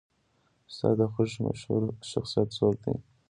ستا د خوښې مشهور شخصیت څوک دی؟